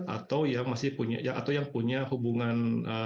atau yang masih punya atau yang punya hubungan